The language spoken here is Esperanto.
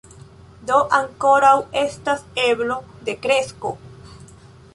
Do ankoraŭ estas eblo de kresko.